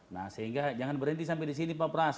nah sehingga jangan berhenti sampai di sini pak pras